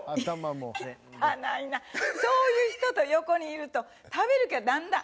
そういう人と横にいると食べる気がだんだん。